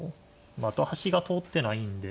あと端が通ってないんで。